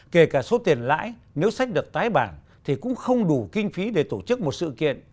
kể cả số tiền lãi nếu sách được tái bản thì cũng không đủ kinh phí để tổ chức một sự kiện